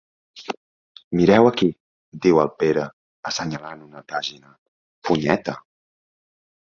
Mireu aquí —diu el Pere, assenyalant una pàgina—, punyeta!